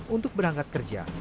untuk berangkat kerja